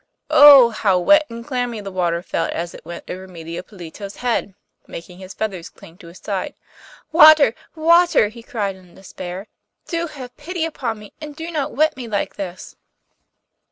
Oh! how wet and clammy the water felt as it went over Medio Pollito's head, making his feathers cling to his side. 'Water, water!' he cried in his despair, 'do have pity upon me and do not wet me like this.